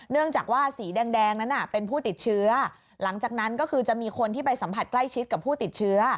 เนื่องจากว่าสีแดงนั้นเป็นผู้ติดเชื้อหลังจากนั้นก็คือจะมีคนที่ไปสัมผัสใกล้ชิดกับผู้ติดเชื้อ